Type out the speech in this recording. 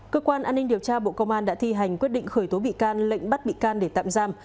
cơ quan an ninh điều tra bộ công an đã thi hành quyết định khởi tố bị can lệnh bắt bị can để tạm giam